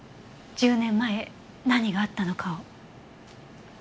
１０年前何があったのかを。